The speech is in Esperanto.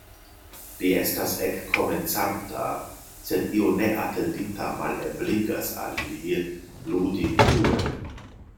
Li estas ekkomencanta, sed io neatendita malebligas al li ludi plue.